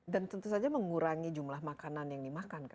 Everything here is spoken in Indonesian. dan tentu saja mengurangi jumlah makanan yang dimakan